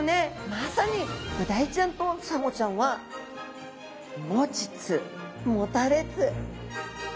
まさにブダイちゃんとサンゴちゃんはもちつもたれつ。